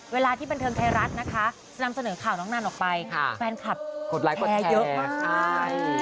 เวลาที่บันเทิงไทยรัฐนะคะนำเสนอข่าวน้องนันออกไปแฟนคลับกดไลค์กดแชร์เยอะมากใช่